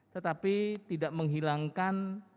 tetapi tidak menghilangkan